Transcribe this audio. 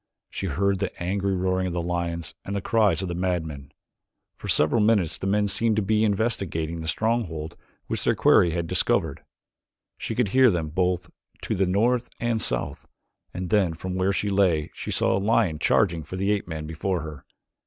She heard the angry roaring of the lions and the cries of the madmen. For several minutes the men seemed to be investigating the stronghold which their quarry had discovered. She could hear them both to the north and south and then from where she lay she saw a lion charging for the ape man before her.